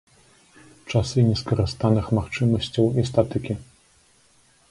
Часы нескарыстаных магчымасцяў і статыкі.